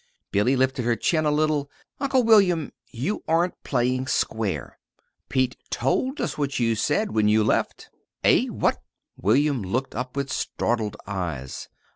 Billy lifted her chin a little. "Uncle William, you aren't playing square. Pete told us what you said when you left." "Eh? What?" William looked up with startled eyes.